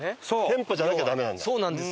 店舗じゃなきゃダメなんだ。